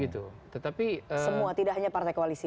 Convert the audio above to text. tetapi semua tidak hanya partai koalisi